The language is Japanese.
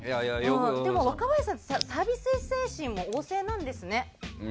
若林さんってサービス精神も旺盛なんですね。